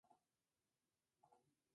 En honor a Juan Manuel Cajigal y Odoardo.